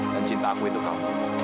dan cinta aku itu kau